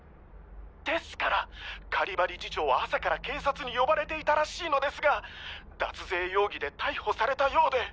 ですから狩場理事長は朝から警察に呼ばれていたらしいのですが脱税容疑で逮捕されたようで。